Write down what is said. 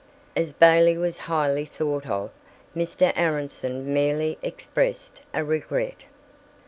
As Bailey was highly thought of, Mr. Aronson merely expressed a regret.